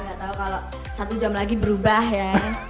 gak tau kalo satu jam lagi berubah ya